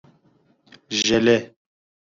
ژله